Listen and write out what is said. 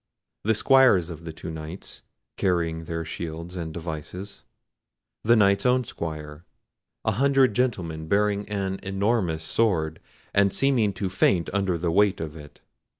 The squires of the two Knights, carrying their shields and devices. The Knight's own squire. A hundred gentlemen bearing an enormous sword, and seeming to faint under the weight of it.